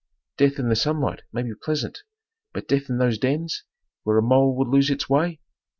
Death in the sunlight may be pleasant, but death in those dens, where a mole would lose its way!